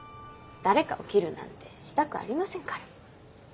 誰かを切るなんてしたくありませんから。